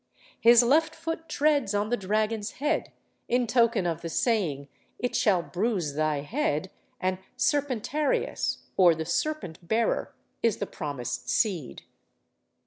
His left foot treads on the dragon's head, in token of the saying, 'It shall bruise thy head; 'and Serpentarius, or the serpent bearer, is the promised seed.